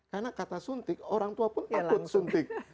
karena kata suntik orang tua pun takut suntik